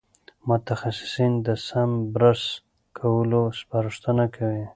متخصصین د سم برس کولو سپارښتنه کوي.